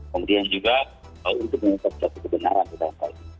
kemudian juga untuk mencari suatu kebenaran